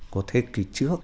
của thế kỷ trước